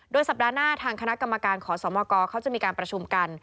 สัปดาห์หน้าทางคณะกรรมการขอสมกเขาจะมีการประชุมกัน